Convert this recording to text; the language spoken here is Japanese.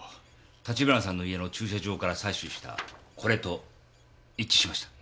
橘さんの家の駐車場から採取したこれと一致しました。